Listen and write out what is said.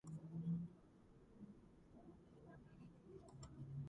ქანაანის ტერიტორია თანდათანობით შემცირდა.